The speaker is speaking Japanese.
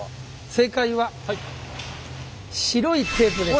正解は白いテープです。